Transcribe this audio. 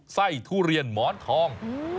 ทุเรียนหมอนทอง